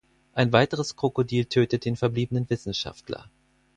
Ein weiteres Krokodil tötet den verbliebenen Wissenschaftler.